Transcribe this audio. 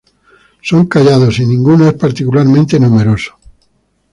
Son callados y ninguno es particularmente numeroso.